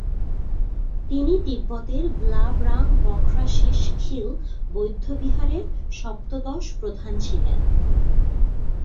তিনি তিব্বতের ব্লা-ব্রাং-ব্ক্রা-শিস-'খ্যিল বৌদ্ধবিহারের সপ্তদশ প্রধান ছিলেন।